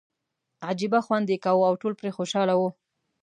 عجیبه خوند یې کاوه او ټول پرې خوشاله وو.